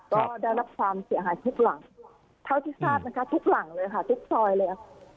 ก็ได้รับความเสียหายทุกหลังเท่าที่ทราบนะคะทุกหลังเลยค่ะทุกซอยเลยค่ะ